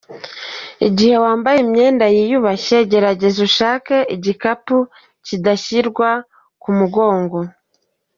Igihe wambaye imyenda yiyubashye gerageza ushake igikapu kidashyirwa ku mugongo.